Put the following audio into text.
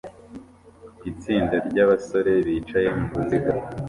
Itsinda ryabasore bicaye muruziga